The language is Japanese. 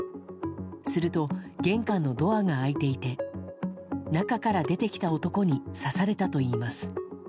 すると、玄関のドアが開いていて中から出てきた男に刺されたといいます。